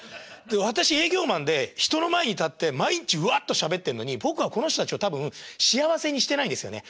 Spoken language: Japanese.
私営業マンで人の前に立って毎日うわっとしゃべってんのに僕はこの人たちを多分幸せにしてないんですよね。